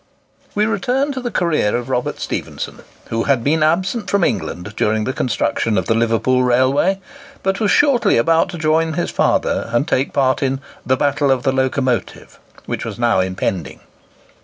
We return to the career of Robert Stephenson, who had been absent from England during the construction of the Liverpool railway, but was shortly about to join his father and take part in "the battle of the locomotive," which was now impending.